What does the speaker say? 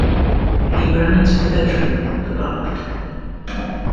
He ran into the bedroom, the bath.